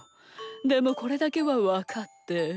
でもこれだけはわかって。